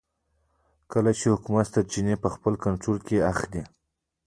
کله چې حکومت سرچینې په خپل کنټرول کې اخلي.